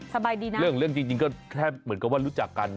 สบายดีนะเรื่องจริงก็แค่เหมือนกับว่ารู้จักกัน